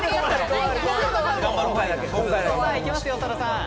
行きますよ、長田さん。